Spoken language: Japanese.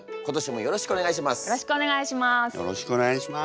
よろしくお願いします。